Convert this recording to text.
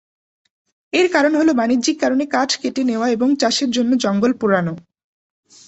এর কারণ হল বাণিজ্যিক কারণে কাঠ কেটে নেওয়া এবং চাষের জন্য জঙ্গল পোড়ানো।